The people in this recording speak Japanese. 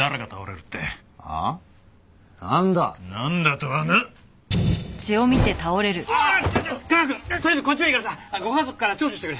とりあえずこっちはいいからさご家族から聴取してくれ。